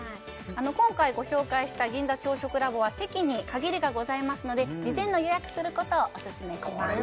今回ご紹介した銀座朝食ラボは席に限りがございますので事前の予約することをオススメします